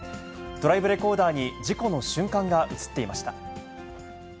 ドライブレコーダーに事故の瞬間が映っていました。